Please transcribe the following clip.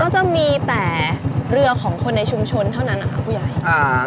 แล้วจะมีแต่เรือของคนในชุมชนเท่านั้นค่ะครับผู้ใหญ่